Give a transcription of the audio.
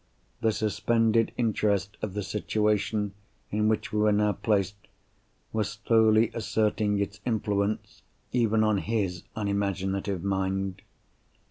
The suspended interest of the situation in which we were now placed was slowly asserting its influence even on his unimaginative mind.